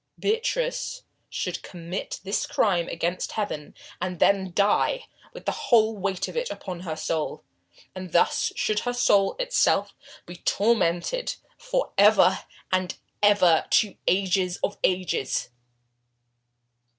Beatrice should commit this crime against Heaven, and then die with the whole weight of it upon her soul, and thus should her soul itself be tormented for ever and ever to ages of ages.